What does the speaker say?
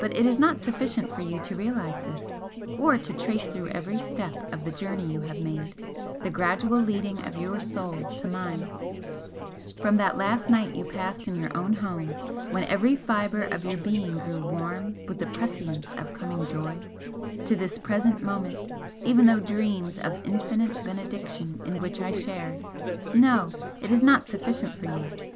But it is not sufficient for you to realise this, or to trace through every step of the journey you have made, the gradual leading of your soul to mine, from that last night you passed in your own home, when every fibre of your being grew warm with the prescience of coming joy, to this present moment, even through dreams of infinite benediction in which I shared no! it is not sufficient for you!